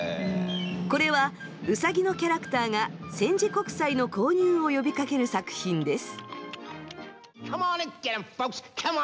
これはうさぎのキャラクターが戦時国債の購入を呼びかける作品です。